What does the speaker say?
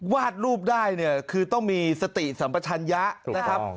วาดรูปได้เนี่ยคือต้องมีสติสัมปชัญญะนะครับ